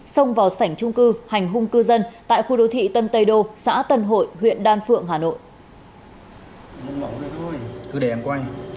xông vào sảnh trung cư hành hung cư dân tại khu đô thị tân tây đô xã tân hội huyện đan phượng hà nội